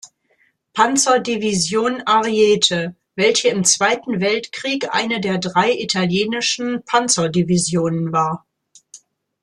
Panzerdivision „Ariete“, welche im Zweiten Weltkrieg eine der drei italienischen Panzerdivisionen war.